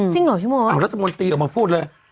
เหรอพี่มดรัฐมนตรีออกมาพูดเลย